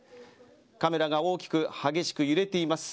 カメラが激しく揺れています。